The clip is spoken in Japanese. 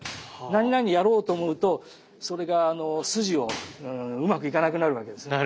何々やろうと思うとそれが筋をうまくいかなくなるわけですね。